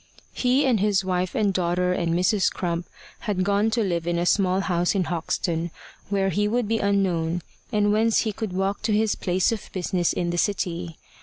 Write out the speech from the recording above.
He and his wife and daughter and Mrs. Crump had gone to live in a small house in Hoxton, where he would be unknown, and whence he could walk to his place of business in the City.